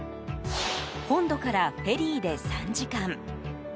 本土からフェリーで３時間。